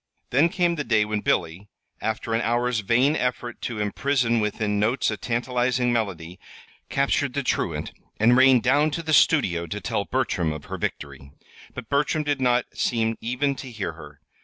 Then came the day when Billy, after an hour's vain effort to imprison within notes a tantalizing melody, captured the truant and rain down to the studio to tell Bertram of her victory. But Bertram did not seem even to hear her.